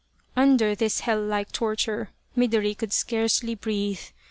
Undr this hell like torture Midori could scarcely breathe.